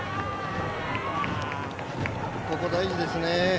ここ大事ですね。